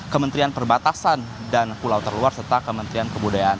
kementerian perbatasan dan pulau terluar serta kementerian kebudayaan